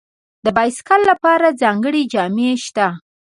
د بایسکل لپاره ځانګړي جامې شته.